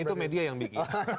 itu media yang bikin